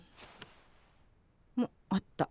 ああった。